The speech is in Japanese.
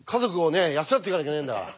養っていかなきゃいけないんだから。